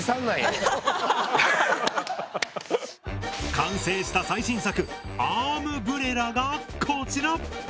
完成した最新作「アームブレラ」がこちら！